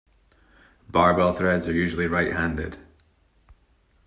Barbell threads are usually right-handed.